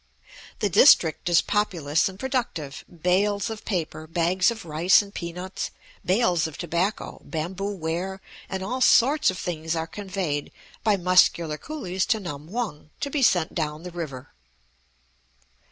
The district is populous and productive; bales of paper, bags of rice and peanuts, bales of tobacco, bamboo ware, and all sorts of things are conveyed by muscular coolies to Nam hung to be sent down the river.